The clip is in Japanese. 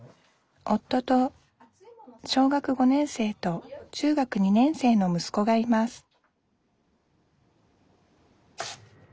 夫と小学５年生と中学２年生のむすこがいます